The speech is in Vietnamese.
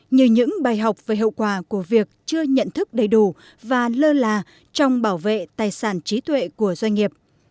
như những bài học về hậu quả của việc chưa nhận thức đầy đủ và lơ là trong bảo vệ tài sản trí tuệ của doanh nghiệp